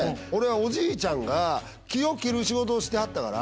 おじいちゃんが木を切る仕事をしてはった。